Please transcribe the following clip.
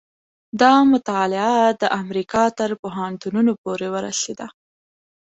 دا مطالعه د امریکا تر پوهنتونونو پورې ورسېده.